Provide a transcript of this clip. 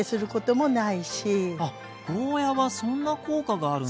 あっゴーヤーはそんな効果があるんですね。